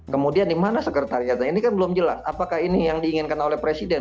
kemudian di mana sekretariatnya ini kan belum jelas apakah ini yang diinginkan oleh presiden